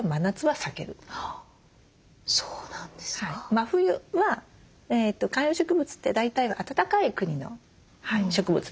真冬は観葉植物って大体が暖かい国の植物たちですよね。